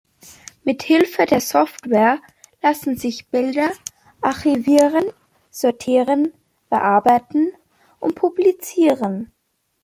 Mit Hilfe der Software lassen sich Bilder archivieren, sortieren, bearbeiten und publizieren.